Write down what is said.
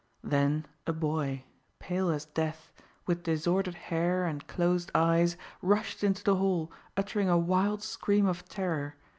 Then a boy, pale as death, with disordered hair and closed eyes, rushed into the hall, uttering a wild scream of terror.